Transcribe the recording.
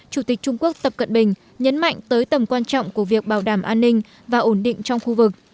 chủ tịch trung quốc tập cận bình nhấn mạnh tới tầm quan trọng của việc bảo đảm an ninh và ổn định trong khu vực